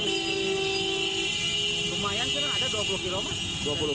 lumayan kira kira ada dua puluh km